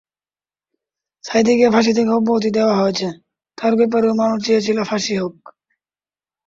সাঈদীকে ফাঁসি থেকে অব্যাহতি দেওয়া হয়েছে, তাঁর ব্যাপারেও মানুষ চেয়েছিল ফাঁসি হোক।